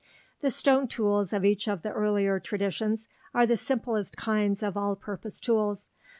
The stone tools of each of the earlier traditions are the simplest kinds of all purpose tools.